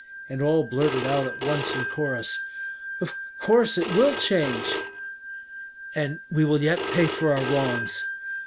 And all blurted out at once in chorus, "Of course it will change." "And we will yet pay for our wrongs."